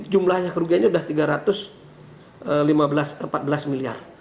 jumlahnya kerugiannya sudah tiga ratus empat belas miliar